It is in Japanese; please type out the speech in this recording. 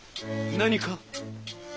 何か？